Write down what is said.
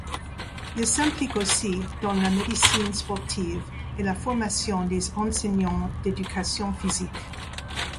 Il s'implique aussi dans la médecine sportive et la formation des enseignants d'éducation physique.